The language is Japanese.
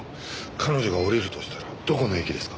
彼女が降りるとしたらどこの駅ですか？